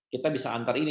kita bisa antar ini